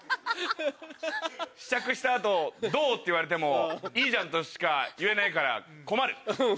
試着した後「どう？」って言われても「いいじゃん」としか言えないから困る。